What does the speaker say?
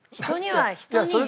人には人に。